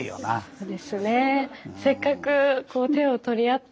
そうですね。